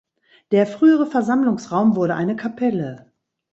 Der frühere Versammlungsraum wurde eine Kapelle.